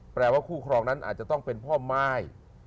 แปลว่าคู่ครองนั้นอาจจะต้องเป็นพ่อม่าย